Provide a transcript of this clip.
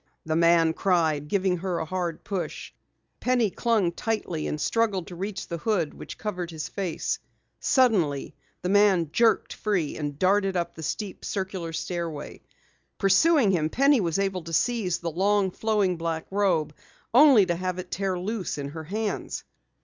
the man cried, giving her a hard push. Penny clung tightly and struggled to reach the hood which covered his face. Suddenly, the man jerked free and darted on up the steep, circular stairway. Pursuing him, Penny was able to seize the long flowing black robe, only to have it tear loose in her hands.